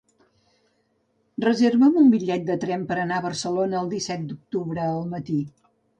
Reserva'm un bitllet de tren per anar a Barcelona el disset d'octubre al matí.